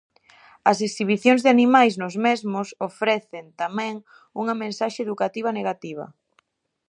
As exhibicións de animais nos mesmos, ofrecen tamén unha mensaxe educativa negativa.